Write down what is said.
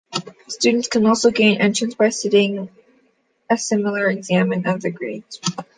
Students can also gain entrance by sitting a similar exam in other grades.